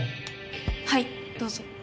はいどうぞ。